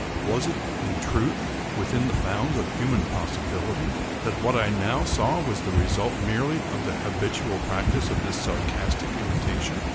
Was it, in truth, within the bounds of human possibility, that what I now saw was the result, merely, of the habitual practice of this sarcastic imitation?